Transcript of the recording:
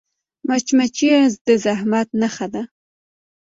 مچمچۍ د زحمت نښه ده